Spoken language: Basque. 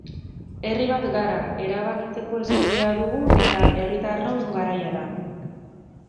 Herri bat gara, erabakitzeko eskubidea dugu eta herritarron garaia da.